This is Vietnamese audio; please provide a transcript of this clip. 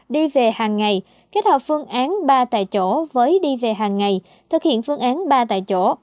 đi về hàng ngày kết hợp phương án ba tại chỗ với đi về hàng ngày thực hiện phương án ba tại chỗ